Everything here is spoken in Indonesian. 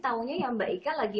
tahunya yang mbak ika lagi